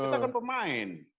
kita kan pemain